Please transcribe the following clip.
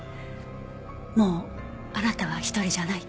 もうあなたは一人じゃない。